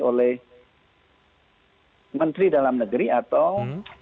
oleh menteri dalam negeri atau